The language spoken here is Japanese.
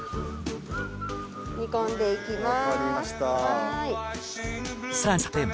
煮込んでいきます。